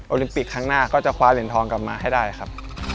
ลิมปิกครั้งหน้าก็จะคว้าเหรียญทองกลับมาให้ได้ครับ